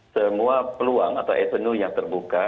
semua peluang atau avenue yang terbuka